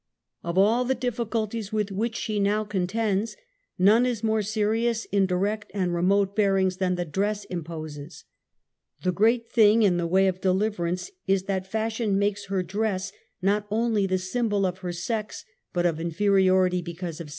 Of all the difiiculties with which she now contends, none is more serious in direct and remote bearings than the dress imposes. The great thing in the way of deliverance is that fashion makes her dress ORGANS OF CHEST, ABDOMEN AND PELVIS. 1. Lungs. 2. Heart. 3. Diaphragm.